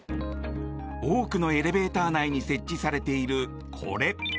多くのエレベーター内に設置されている、これ。